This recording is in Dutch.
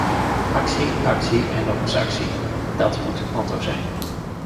Actie, actie en nog eens actie, dat moet het motto zijn.